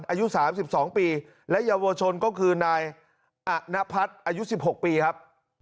อายุสามสิบสองปีและเยาวชนก็คือนายอะนพัฒน์อายุสิบหกปีครับ